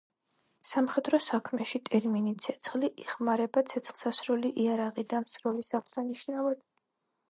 სამხედრო საქმეში ტერმინი „ცეცხლი“ იხმარება ცეცხლსასროლი იარაღიდან სროლის აღსანიშნავად.